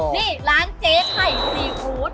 นี่ร้านเจ๊ไผ่ซีฟู้ด